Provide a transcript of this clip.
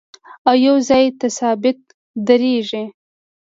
او یو ځای ثابت درېږي